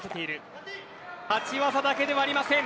立ち技だけではありません！